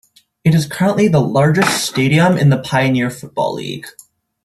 It is currently the largest stadium in the Pioneer Football League.